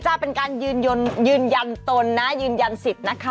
จะเป็นการยืนยันยืนยันตนนะยืนยันสิทธิ์นะคะ